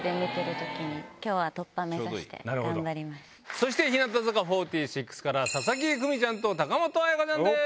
そして日向坂４６から佐々木久美ちゃんと高本彩花ちゃんです。